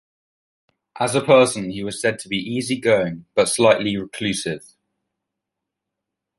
As a person he was said to be easy-going, but slightly reclusive.